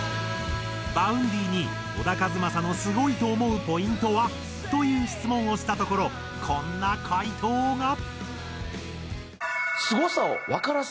Ｖａｕｎｄｙに「小田和正のすごいと思うポイントは？」という質問をしたところこんな回答が。